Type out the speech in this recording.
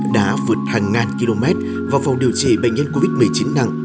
đã vượt hàng ngàn km vào phòng điều trị bệnh nhân covid một mươi chín nặng